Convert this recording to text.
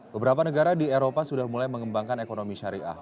beberapa negara di eropa sudah mulai mengembangkan ekonomi syariah